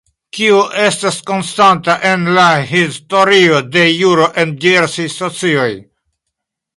Kio estas konstanta en la historio de juro en diversaj socioj?